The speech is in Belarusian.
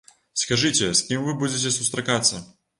Скажыце, з кім вы будзеце сустракацца?